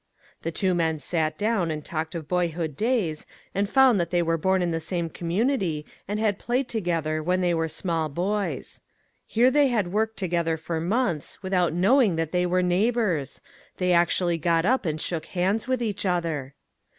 The two men sat down and talked of boyhood days and found that they were born in the same community and had played together when they were small boys. Here they had worked together for months without knowing that they were neighbors; they actually got up and shook hands with each other.